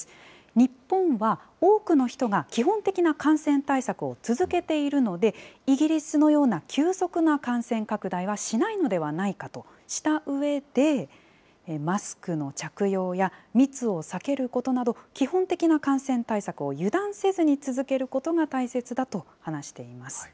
日本は多くの人が基本的な感染対策を続けているので、イギリスのような急速な感染拡大はしないのではないかとしたうえで、マスクの着用や、密を避けることなど、基本的な感染対策を油断せずに続けることが大切だと話しています。